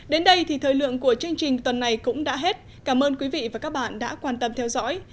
đến đây thì thời lượng của chương trình tuần này cũng đã hết cảm ơn quý vị và các bạn đã quan tâm theo dõi